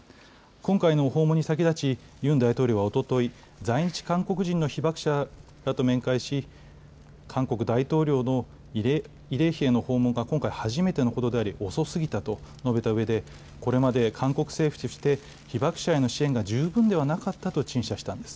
今回の訪問に先立ち、ユン大統領はおととい、在日韓国人の被爆者らと面会し、韓国大統領の慰霊碑への訪問が今回初めてのことであり、遅すぎたと述べたうえで、これまで韓国政府として被爆者への支援が十分ではなかったと陳謝したんです。